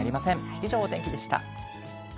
以上、お天気でした。